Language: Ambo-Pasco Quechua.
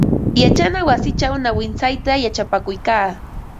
Yachana wasichaw nawintsayta yachapakuykaa.